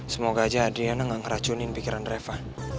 semoga aja diana gak ngeracunin pikiran reva